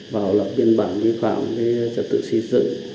vào lập biên bản vi phạm cái trật tự xây dựng